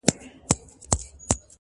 واک د زړه مي عاطفو ته ور کی یاره,